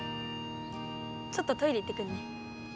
ちょっとトイレ行ってくるね。